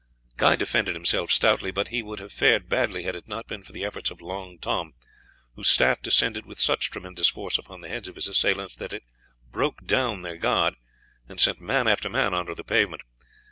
Guy defended himself stoutly, but he would have fared badly had it not been for the efforts of Long Tom, whose staff descended with such tremendous force upon the heads of his assailants that it broke down their guard, and sent man after man on to the pavement.